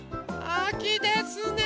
あきですね